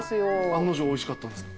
案の定おいしかったんですか？